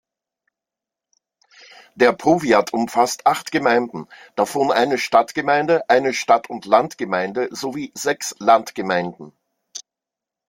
Der Powiat umfasst acht Gemeinden, davon eine Stadtgemeinde, eine Stadt-und-Land-Gemeinde sowie sechs Landgemeinden.